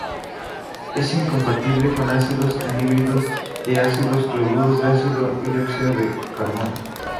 Es incompatible con ácidos, anhídridos de ácidos, cloruros de ácidos y dióxido de carbono.